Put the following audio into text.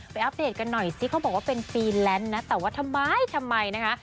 อัปเดตกันหน่อยซิเขาบอกว่าเป็นฟรีแลนซ์นะแต่ว่าทำไมทำไมนะคะ